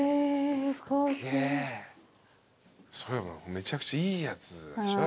めちゃくちゃいいやつ。